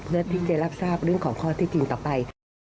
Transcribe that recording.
เพื่อที่จะรับทราบเรื่องของข้อที่จริงต่อไป